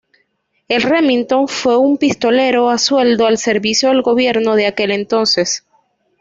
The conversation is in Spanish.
El Remington fue un pistolero a sueldo al servicio del Gobierno de aquel entonces.